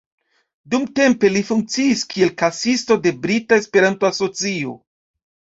Dumtempe li funkciis kiel kasisto de Brita Esperanto-Asocio.